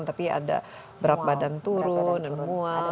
tapi ada berat badan turun muat